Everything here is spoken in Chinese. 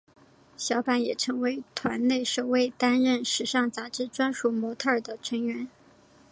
小坂也成为团内首位担任时尚杂志专属模特儿的成员。